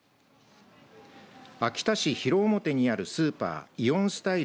秋田市広面にあるスーパーイオンスタイル